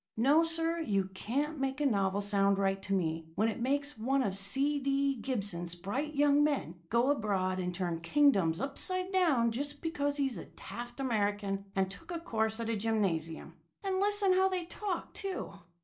No, sir, you can't make a novel sound right to me when it makes one of C. D. Gibson's bright young men go abroad and turn kingdoms upside down just because he's a Taft American and took a course at a gymnasium. And listen how they talk, too!"